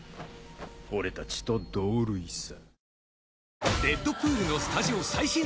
俺たちと同類さ。